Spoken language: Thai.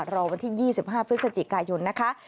รอวันที่๒๕พฤศจิกายนนะคะ